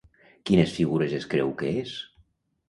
Quines figures es creu que és?